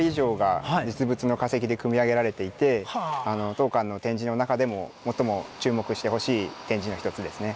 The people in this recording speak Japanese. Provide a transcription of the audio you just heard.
当館の展示の中でも最も注目してほしい展示の一つですね。